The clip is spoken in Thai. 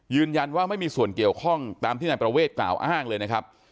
ยืนยันว่าไม่มีส่วนเกี่ยวข้องตามที่นายประเวทกล่าวอ้างเลยนะครับ